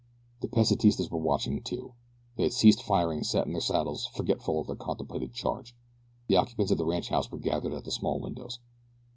The Pesitistas were watching too. They had ceased firing and sat in their saddles forgetful of their contemplated charge. The occupants of the ranchhouse were gathered at the small windows.